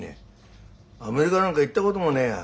アメリカなんか行ったこともねぇや。